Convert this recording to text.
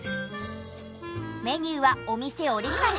メニューはお店オリジナル。